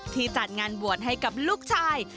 จัดงานบวชให้กับลูกชาย